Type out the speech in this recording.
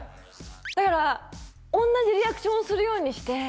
だから同じリアクションをするようにして。